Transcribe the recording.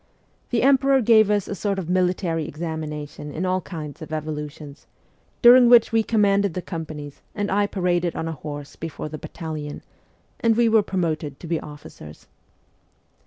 The emperor gave us a sort of military examina tion in all kinds of evolutions during which we com manded the companies and I paraded on a horse before the battalion and we were promoted to be officers.